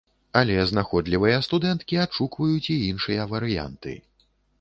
Але знаходлівыя студэнткі адшукваюць і іншыя варыянты.